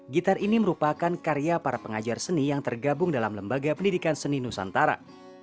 gitar ini merupakan karya para pengajar seni yang tergabung dalam lembaga pendidikan seni nusantara